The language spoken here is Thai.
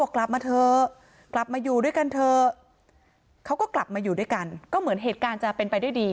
เขาก็กลับมาอยู่ด้วยกันก็เหมือนเหตุการณ์จะเป็นไปด้วยดี